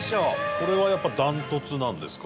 これは、やっぱり断トツなんですか？